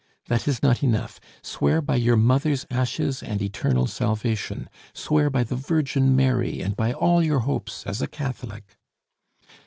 "That is not enough. Swear by your mother's ashes and eternal salvation, swear by the Virgin Mary and by all your hopes as a Catholic!"